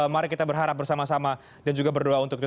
mari kita berharap bersama sama dan juga berdoa untuk kita